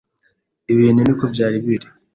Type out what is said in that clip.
ibintu niko byari biri,